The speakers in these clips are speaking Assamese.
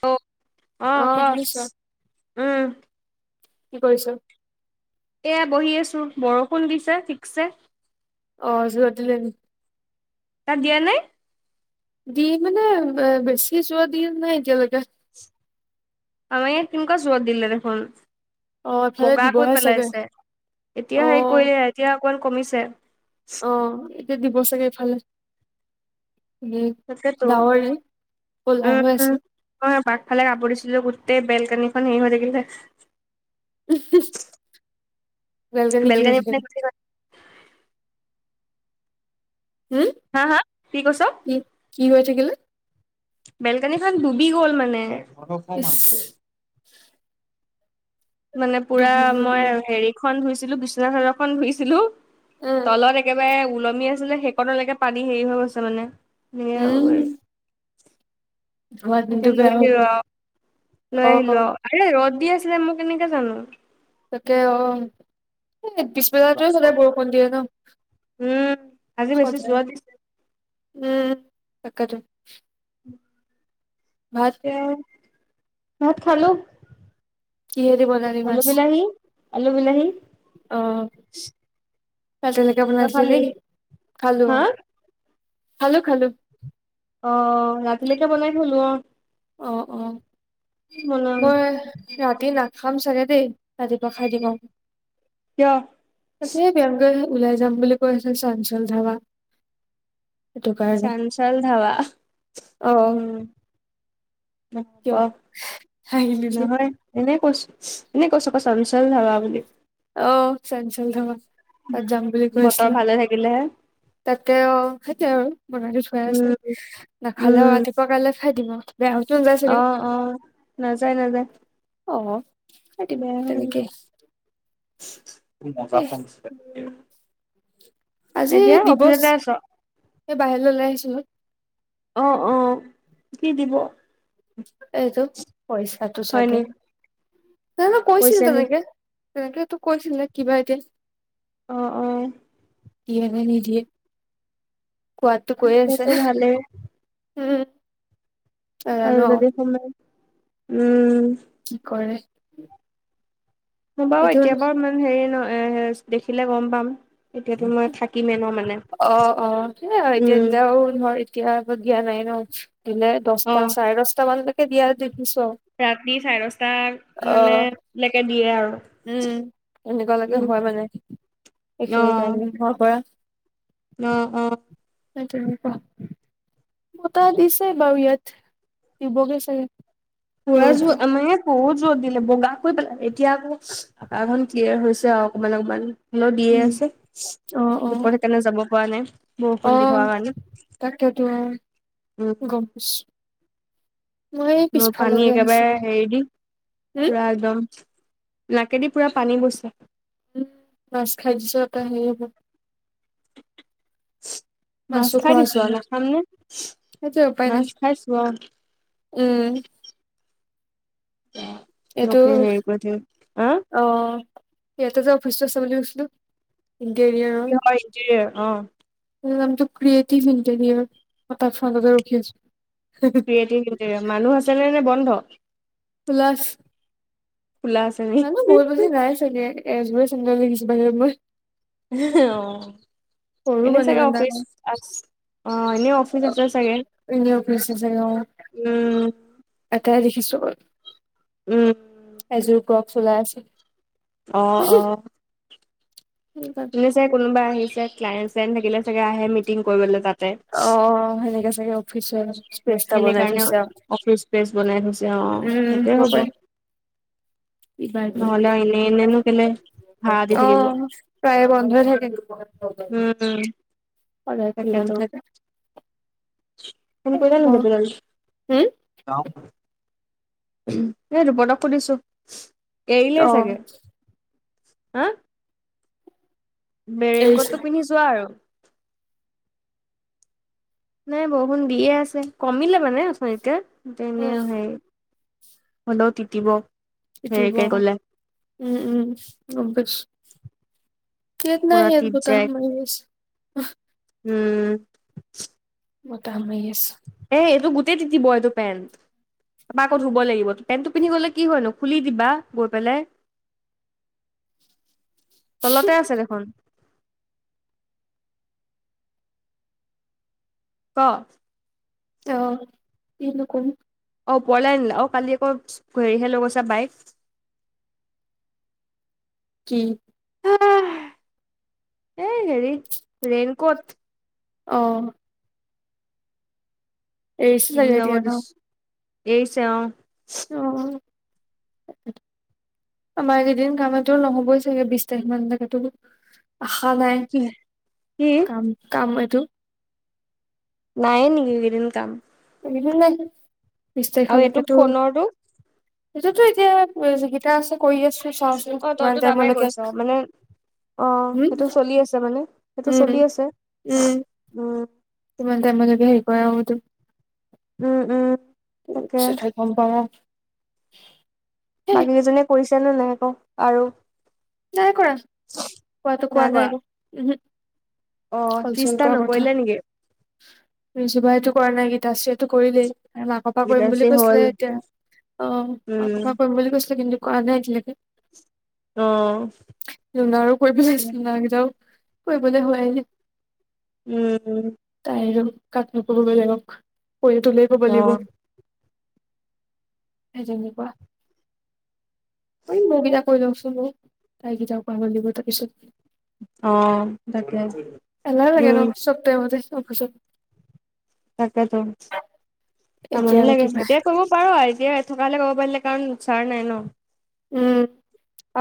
হেল্ল অ ক উম কি কৰিছ এয়া বহি আছো বৰষুণ দিছে ঠিকছে অ জোৰত দিলে তাত দিয়া নাই দি মানে অ বেছি যোৱা দিন নাই এতিয়ালৈকে আমাৰ ইয়াত কেনেকোৱা জোৰত দিলে দেখোন অ এফালে বগা কৈ দিবহে চাগে পেলাইছে এতিয়া অ হেৰি কৰিলে এতিয়া অকমান কমিছে অ এতিয়া দিব চাগে এইফালে উ তাকেতো ডাৱৰে ক'লা হৈ উম আছে মই আগফালে কাপোৰ দিছিলো গোটেই বেলকনিখন হেৰি হৈ থাকিলে উহু বেলকনি কি বেলকানী হৈছেগে মানে গুচি গল হেই হা হা কি কৈছ? কি! কি হৈ থাকিলে? বেলকনিখন ডুবি গ'ল মানে। ইচ [unintelligible] মানে পুৰা ডুবি হৈ মই গল হেৰিখন ধুইছিলো বিচনা চাদৰখন ধুইছিলো উম তলত [unintelligible] একেবাৰে ওলমি আছিলে সেইকণলৈকে পানী হেৰি হৈ গৈছে মানে এ উম [unintelligible] ধোৱা দিনটো এতিয়া বেয়া লৈ হ'ল আহিলো আৰু, অ লৈ আহিলো আৰু ৰ'দ দি আছিলে মই কেনেকে জানো [inaudible] তাকে অ। এই পিছবেলাটোৱে সদায় বৰষুণ দিয়ে ন। [inaudible] উম! আজি বেছি জোৰত দিছে। উম-উম তাকেটো [inaudible] উম [inaudible] ভাত [inaudible] এতিয়া [unintelligible] ভাত খালোঁ। কিহেদি বনালি [inaudible] আলু-বিলাহী, আলু-বিলাহী [inaudible] অ [inaudible] ৰাতিলৈকে তই বনাইছিলি খালি নেকি? খালোঁ। হা খালো-খালো। অ-অ ৰাতিলৈকে বনাই থলো অঁ। [inaudible] অ-অ [inaudible] বনাম মই ৰাতি নাখাম চাগে দেই, ৰাতিপুৱা খাই দিম আৰু। [inaudible] কিয়? তাতে [unintelligible] মোক ওলাই যাম বুলি কৈ আছে চাঞ্চল ধাৱা। সেইটো কাৰণে চাঞ্চল ধাবা [inaudible] অ-অ উম নহব হাঁহিলি [inaudible] যে নহয়। এনেই কৈছো [inaudible] এনেই কৈছো ক‌ চঞ্চল ধাবা বুলি। অ চঞ্চল ধাৱা তাত যাম [unintelligible] বতৰ ভালে থাকিলে হে [inaudible] তাকে অ, সেইটোৱেই আৰু বনাইটো থোৱাই আছে। উম [inaudible] নাখালেও উম ৰাতিপুৱা কাইলে খাই দিম আৰু [inaudible] বেয়া হৈ টো নাযায় চাগে অ', অ', নাযায় নাযায় [inaudible] অ [unintelligible] তেনেকেই। [unintelligible] মজা এ ফোন আছিলে [unintelligible] আজি দিৱস, যাই আছ? এই বাহিৰলৈ ওলাই আহিছিলোঁ। [inaudible] অঁ-অঁ, কি দিৱস? এইটো পইচাটো হয় চাগে, নি জানো কৈছিল কৈছে নি? তেনেকে। [unintelligible] তেনেকেইটো কৈছিলে কি বা এতিয়া [inaudible] অ-অ [unintelligible] দিয়ে নে নিদিয়ে [inaudible] কোৱাতটো কৈ আছে দিলেতো [unintelligible] ভালেই উম [unintelligible] আৰু যদি সোমাই [inaudible] উম। কি কৰে [inaudible] মই বাৰু এইটো এতিয়া বাৰু ইমান হেৰি ন এ দেখিলে গম পাম এতিয়াতো মই থাকিমে ন মানে [unintelligible] অ-অ সেইয়াই আৰু এতিয়া উম, দিলে আৰু ধৰ এতিয়া দিয়া নাই ন। [unintelligible] দিনে দহটা অ'। চাৰে দহটামানলৈকে দিয়া দেখিছোঁ আৰু। [inaudible] ৰাতি চাৰে দছটা অ মানে লৈকে দিয়ে আৰু [unintelligible] এনেকুৱা লৈকে উম, হয় মানে, এইখিনি টাইমৰ পৰা [inaudible] ন অ। সেইটোয়ে হ'ল কোৱা? মতা দিছে বাৰু ইয়াত, দিবগে চাগে। কৰাজু বৰষুণ আমাৰ ইয়াত বহুত যোৰত দিলে বগা কৰি পেলালে এতিয়া আকৌ আকাশখন ক্লিয়াৰ হৈছে আৰু অকমান অকমান। হ'লো দিয়ে উম আছে, দুপৰ সেইকাৰণে যাব পৰা নাই। বৰষুণ দি অহ থকা কাৰণে তাকেতো উম অ গম পাইছ- মই পানী একেবাৰে হেৰি দি হম পুৰা একদম নাকেদি পুৰা পানী বৈছে। উম মাছ খাই দিছা কাহিয়ে ভু- মাছ মাছো খাই খোৱা হৈছে দিছো অ ন নাখামনে সেইটোৱে উপায় নাই। মাছ খাইছো অহ উম। এইটো লোকে হেৰি কৰি থাকে হা অ ইয়াতে যে অফিচটো আছে বুলি কৈছিলো। ইংকেৰিয়াৰৰ কিহৰ ইণ্টেৰিয়ৰ অ মো নামটো ক্ৰিয়েটিভ ইঞ্জিনিয়াৰ, মই তা ফালতে ৰখি আছো। [unintelligible] মানুহ আছে নে বন্ধ প্লাছ খোলা আছ- মানুহ বহু বেছি নাই চাগে এজোৰা চেন্দেল দেখিছোঁ বাহিৰত মই। অ সৰু এনে মানে চাগে ইমান অফিচ ডাঙৰ আছ- অ এনেই অফিচ আছে চাগে, এনে অফিচ চাগে অ' উম। এটাই দেখিছোঁ বাৰ। উম। এযোৰ ক্ৰকছ ওলাই আছে। অ অ। উম দাক- আহিছে কোনোবা আহিছে ক্লাইণ্ট-চাইন থাকিলে চাগে আহে মিটিং কৰিবলৈ তাত। অ সেনেকে চাগে অফিচৰ স্পেচ এটা বনাই থৈছে আও। স্পেছ বনাই থৈছে অ সেইটোৱে হ'ব। কিবা এটি নহ'লে এনে এনেনো কেলে ভাড়া দি অ থাকিব প্ৰায় বন্ধই থাকে [unintelligible] উম উম সদায় খোলা তাকেটো। নাথাকে ফোন কৰিলে হম নাই গোপীলাল এই দুপদক সুধিছো, এৰিলে অ চাগে। হা? বেৰেইন এৰিছো কোটটো পিন্ধি যোৱা আৰু। নাই বৰষুণ দিয়ে আছে। কমিলে মানে উঠনিতে। তেনে অ সেই হ'লোও তিতিব। তিতিব হেৰিকে আকৌ, গ'লে উম উম গম পাইছ- কেত না পুৰা সেয়াত তিত বতাহ যায় মাৰি আছ- উম। বতাহ মাৰি আছ- এ এইটো গোটেই তিতিব এইটো পেণ্ট। তাপা আকৌ ধুব লাগিব পেণ্টটো পিন্ধি গ'লে কি হয় নো খুলি দিবা গৈ পেলাই। [inaudible] তলতে আছে দেখোন। ক অ কিনো কম। অঁ, ওপৰলে আনিলে অঁ কালি আকৌ হেৰিহে লৈ গৈছে বাইক কি [unintelligible] এ হেৰি ৰেইনকোট অ এৰিছে কিনি চাগে যাব এতিয়া ন দিছ এইছে অ অঁ আমাৰ এইকেইদিন কামতো নহ'বই চাগে বিশ তাৰিখ মানলৈকে তোৰ আশা নাই কি কাম কাম এইটো নাইয়ে নেকি এইকেইদিন কাম? [unintelligible] মান বিশ আৰু এইটো তাৰিখলৈকেতো ফোনৰটো সেইটোতো এতিয়া যিকিতা আছে কৰি আছো চাওচোন কিমান টাইমলৈকে। অঁ, হম সেইটো চলি আছে মানে সেইটো চলি উম, আছে উম, উম! কিমান টাইমৰ লৈকে হেই কৰে আও সেইটো। উম উম উম তাকে পিছতহে গম পাম আও বাকী কেইজনীয়ে কৰিছে নে নায় আকৌ আৰু নাই কৰা কোৱাটো কোৱা নাই উহু অঁ, কল চল ত্ৰিশটা কৰা কথা নকৰিলে নেকি? ৰিজুবাইটো কৰা নাই এইকিতা আছেটো কৰিলেই। নে মাক পা কৰিম গীতাশ্ৰী বুলি হ'ল কৈছিলে এতিয়া অঁ উম মাকপা কৰিম বুলি কৈছিলে কিন্তু কৰা নাই এতিয়ালৈকে। অঁ লোনাৰো কৰি‌ পেলাইছিলো না কেইটাও কৰিবলে হোৱাই নাই উম উম তাইৰো কাক নো কব বেলেগক পৰি তলেই কব অ লাগিব। হে তেনেকুৱা ঐ মোকেইটা কৈ লৈওচোন বাও তাইকেইটাও কৰাবলে দিব তাৰ পিছত। অঁ, তাকে উম। তেওঁ মতে চব পিছত তাকাতো এতিয়া আমনি আৰু লাগে কিবা এতিয়া কব পাৰো আ এতিয়া থকা হ'লে ক'ব পাৰিলে কাৰণ চাৰ নাই ন উম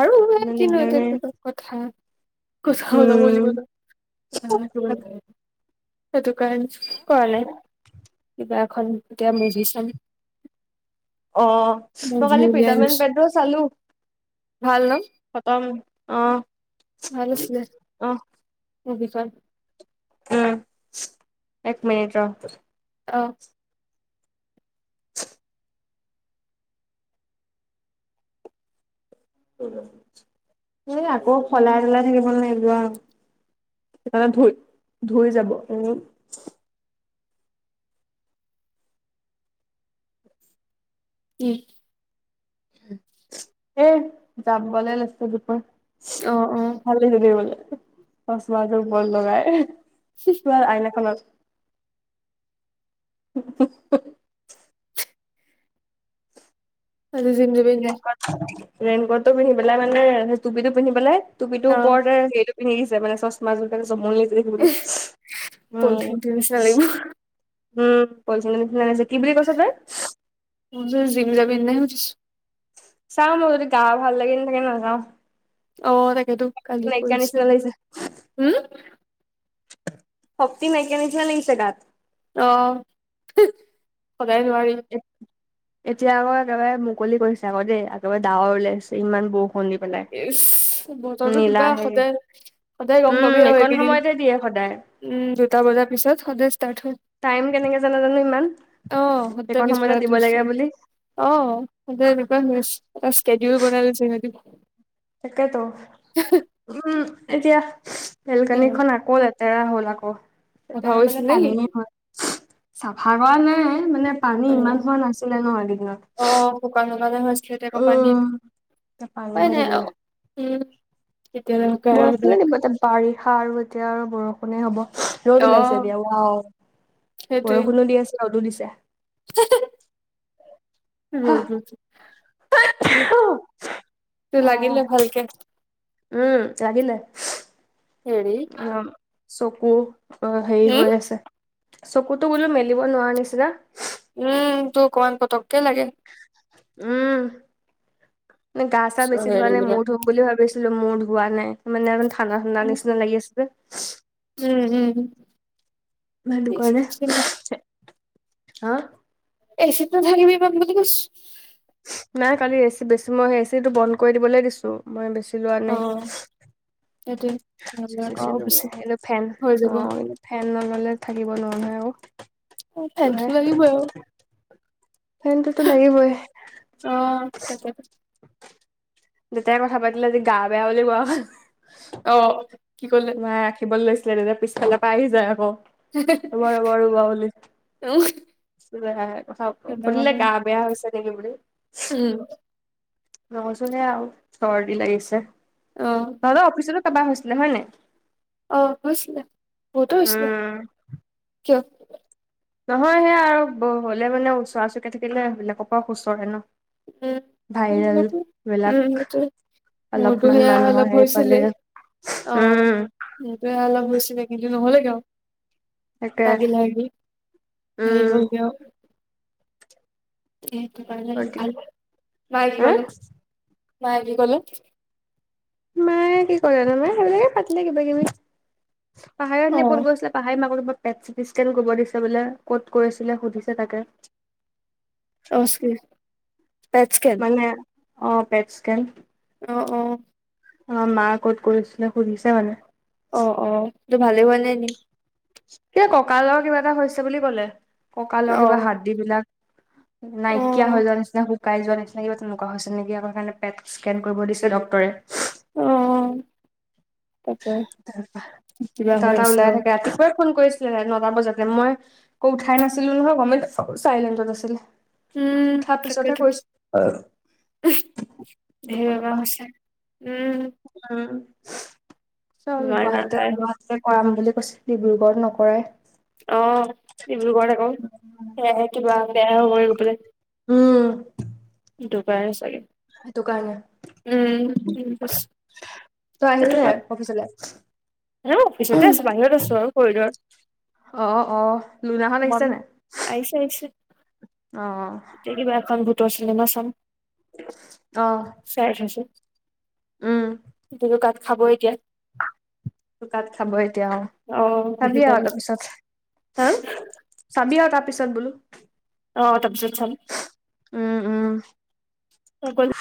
আৰু এ ইমান কিনো দিগদাৰ নাই এতিয়া [unintelligible] কথা কোছ খাব যাব লাগিব উম ন [unintelligible] সেইটো কাৰণে কৰা নাই কিবা এখন এতিয়া মেধি চাম অ ত মুভি কালি প্ৰীত উলিয়াই মেন লৈছো বেদৰচ চালো ভাল ন খতম আহ আহ মো পিছত উম এক মিনিট ৰ অঁ এ আকৌ হলাই তলাই থাকিব নলাগে যোৱা। সেইকাৰণে ধুই ধুই যাব উ উম এ যাবলে লৈছো দুপৰ অ অ ভালে যদি বলে চচমাজোৰ উপৰত লগাই। চোৱা আইনাখনত [unintelligible] কাইলে জিম যাবি নাই? ৰেইনকোটটো পিন্ধি পেলাই মানে টুপিটো পিন্ধি পেলাই টুপিটোৰ অ ওপৰতে সেইটো পিন্ধি গিছে মানে চছমা জোৰ কাৰনে জমনি এ দেখিবলৈ উম পলথিনটোৰ নিচনা লাগিব। উম পল্থিনৰ নিচিনা লাগিছে, কি বুলি কৈছ তই? [unintelligible] জিম যাবি নে নাই সুধিছোঁ। চাওঁ মোৰ যদি গা ভাল লাগি নাথাকে নাযাওঁ। অ তাকেতো কালি নাইকিয়া কৰিছে, নিচিনা লাগিছে উম? শক্তি নাইকিয়া নিচিনা লাগিছে গাত। অ হি সদাই নোৱাৰি। এতিয়া আকৌ একেবাৰে মুকলি কৰিছে আকৌ দেই, একেবাৰে ডাৱৰ ওলাইছে ইমান বখ ইচ্ বতৰটো কিবা হেৰি সদায় সদায় গম পাবি উম আও এইকণ এইকেইদিন। সময়তে দিয়ে সদায় উম দুটা বজাৰ পিছত সদায় ষ্টাৰ্ট হয়। টাইম কেনেকে জানে জানো ইমান অহ সত্য এইকণ পিছ সময়তে দিব লাগে [unintelligible] বুলি অহ। সদাই এনেকুৱাই হৈ আছে, এটা স্কেদিউল বনাই লৈছে ইহঁতি। তাকেতও। হ [unintelligible] উম এতিয়া কি বেলকানীখন আকৌ লেতেৰা হ'ল আকৌ। অভাৱ তেতিয়া হৈছিল মানে নেকি পানীয়ে হয়। [unintelligible] চাফা কৰা নাই, মানে পানী অ ইমান হোৱা নাছিলে ন এইকেইদিনত। অ শুকান শুকালে হৈছিলে তেক পানীয়ে উম। এতিয়া পানী উপাই হৈ নাই আও থাকিলে। উম। [unintelligible] বৰষুণে দিব এতিয়া বাৰিষা আৰু এতিয়া আৰু বৰষুণে হ'ব। ৰ'দ অ ওলাইছে এতিয়া ৱাও সেইটোৱে বৰষুণো দি আছে ৰ'দো দিছে। [inaudible] [inaudible] আহ লাগিলে ভালকে। উম লাগিলে হেৰি উ [inaudible] চকু। অ হেৰি উম হৈ আছে, চকুতো বোলো মেলিব নোৱাৰা নিছিনা। উম তোৰ অকমান পতককে লাগে। উম গা চা বেছি ধোৱা হেৰি নাই মূৰ বিলাক ধো। বুলি ভাবিছিলো মোৰ ধোৱা নাই, মানে অকন ঠাণ্ডা ঠাণ্ডা নিচিনা লাগি আছিলে। উম উম। হেটো কাৰণে [unintelligible] হা? এচিতো [unintelligible] বোলি কৈছো। নাই কালি এচি বেছি মই এচিটো বন্ধ কৰি দিবলে দিছো মই বেছি লোৱা অ নাই। সেইটোৱে নহ'লে বেছি আকৌ লোৱা নাই হেল্ল ফেন হৈ অ যাব ফেন নললে থাকিব নোৱাৰো নহয় আৰু। অ ফেনটো লাগিবই আও। ফেনটোতো লাগিবই অ তাকে [inaudible] দেতাই কথা পাতিলে আজি গা বেয়া বুলি কোৱা হল। অ কি কল নাই ৰাখিবলে লৈছিলে তেতিয়া পিছফালৰ পৰা আহি যায় আকৌ ৰ'বা ৰ'বা ৰ'বা বুলি। সুধিলে গা বেয়া হৈছে নেকি বুলি? উম। নহচোনে আৰু চৰ্দি লাগিছে উম অলপ অফিচতে কাবা হৈছিলে হয় নাই? অ হৈছিলে বহুতো হৈছিলে উম, কিয়? নহয় সেইয়া আৰু হলে মানে ওচৰা চৰিকৈ থাকিলে সেইবিলাকৰ পৰা সুচৰে ন উম ভাইৰেল উ উম বিলাক উ মোৰতো অলপমান সেয়া মানুহৰ অলপ হেৰি পালে হৈছিলে অ উম সেইটোৱে অলপ হৈছিলেগে আৰু কিন্তু নহ'লে গে আৰু তাকে লাগিল লাগি হেৰি উম হ'ল গে আৰু মায়ে হা কি ক'লে মায়ে কি ক'লে জানো সেইবিলাকে পাতিলে কিবা কিবি পাহাৰৰ এনে ফোন অ', কৰিছিলে পাহাৰীৰ মাকৰ পেত চিটিস্কেন কৰিব দিছেলে বোলে ক'ত কৰিছিলে সুধিছে তাকে অচ কি পেটচ কে নাই অ পেটচ স্কেন অ অ অ মা ক'ত কৰিছিলে সুধিছে মানে অঁ অঁ এইটো ভালেই হোৱা নাই দিম এ কঁকালৰ কিবা এটা হৈছে বুলি ক'লে কঁকালৰ কিবা অ', হাদ্দি বিলাক নাইকিয়া অ', হৈ যোৱা নিচিনা শুকাই যোৱা নিচিনা কিবা তেনেকুৱা হৈছে নেকি আকৌ সেইকাৰণে পেট স্কেন কৰিব দিছে ড্ক্তৰে অ তাকে তাৰ কটা কিবা হৈ এটা আছে ওলাই আৰু থাকে ৰাতিপুৱাই ফোন কৰিছো নটা বজাতে মই শুই উঠাই নাছিলো নহয় গমেই নাপাওঁ চাইলেণ্টত আছিলে উম, উঠাৰ তাকেতো। পিছতহে কৰিছে ধে বেমাৰ পৰা হৈছে উম চ ইমান গুৱাহাটী নাপায় হল গুৱাহাটীতে কৰাম বুলি কৈছে ডিব্ৰুগড়ত নকৰাই অ ডিব্ৰুগড়তে আকৌ সেয়াহে কিবা বেয়া হ'ব পালে উম দুবাৰে চাগে সেইটো কাৰণে উম তই আহিলি সেইটো নাই অফিচলে? এ অফিচতে আছোঁ বাহিৰত আছো আৰু কৰিডৰ অ অ লুনাহত সোমাম আহিছে নে নাই অ তে কিবা এখন ভূতৰ চিনেমা চাম অ চাই থইছো দুইও গাত খাব এতিয়া গাত খাব এতিয়াও অ বেছি খাবি আৰু টাইম নাই অলপ হা অ পিছত চাবি আৰু তাৰ পিছত বোলো অ তাৰ পিছত উম উম চাম